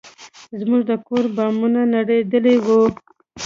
زموږ د کور بامونه نړېدلي وو.